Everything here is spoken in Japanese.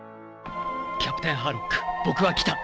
キャプテンハーロック僕は来た。